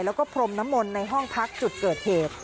แล้วก็พรมน้ำมนต์ในห้องพักจุดเกิดเหตุ